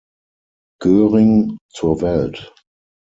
Göhring, zur Welt.